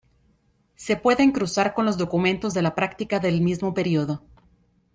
Se pueden cruzar con los documentos de la práctica del mismo período.